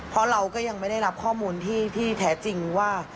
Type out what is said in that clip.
เพราะเราก็ยังไม่ได้รับข้อมูลที่แท้จริงว่า